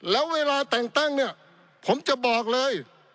แล้วเวลาแต่งตั้งเนี่ยผมจะบอกเลย